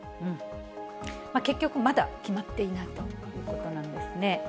結局、まだ決まっていないということなんですね。